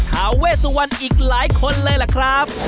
ทาเวสวันอีกหลายคนเลยล่ะครับ